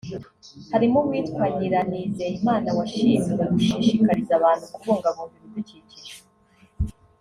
harimo uwitwa Nyiranizeyimana washimiwe gushishikariza abantu kubungabunga ibidukikije